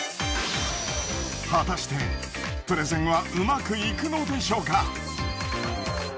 果たしてプレゼンはうまくいくのでしょうか？